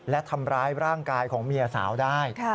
และทำร้ายร่างกายของเมียสาวได้